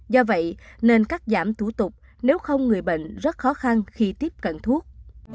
do vậy nên cắt giảm thủ tục nếu không người bệnh rất khó khăn khi tiếp cận thuốc